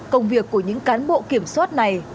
công việc của những cán bộ kiểm soát này